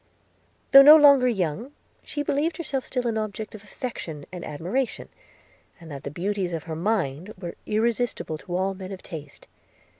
Though no longer young, she believed herself still an object of affection and admiration; and that the beauties of her mind were irresistible to all men of taste.